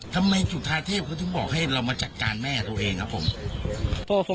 ทำไมจุธาเทพเขาถึงบอกให้เรามาจัดการแม่ตัวเองครับผม